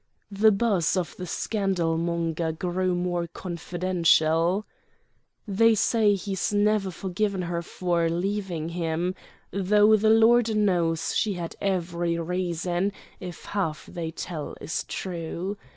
The buzz of the scandalmonger grew more confidential: "They say he's never forgiven her for leaving him—though the Lord knows she had every reason, if half they tell is true.